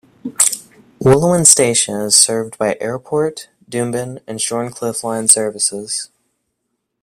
Wooloowin station is served by Airport, Doomben and Shorncliffe line services.